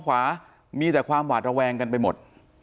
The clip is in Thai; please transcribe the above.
ขวามีแต่ความหวาดระแวงกันไปหมด